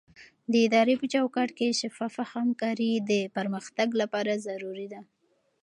د ادارې په چوکاټ کې شفافه همکاري د پرمختګ لپاره ضروري ده.